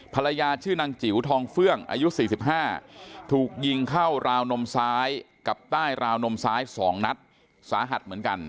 ภรรยาชื่อนางจิ๋วทองเฟื่องอายุ๔๕ถูกยิงเข้าราวนมซ้ายกับใต้ราวนมซ้าย๒นัดสาหัสเหมือนกัน